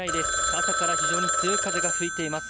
朝から非常に強い風が吹いています。